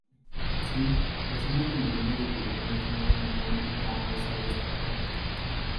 Así, decenas de millones de tiburones mueren anualmente a causa de esta práctica.